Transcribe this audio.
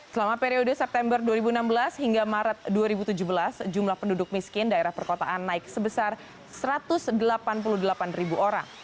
selama periode september dua ribu enam belas hingga maret dua ribu tujuh belas jumlah penduduk miskin daerah perkotaan naik sebesar satu ratus delapan puluh delapan ribu orang